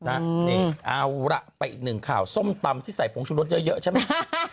นี่เอาล่ะไปอีกหนึ่งข่าวส้มตำที่ใส่ผงชุรสเยอะใช่ไหม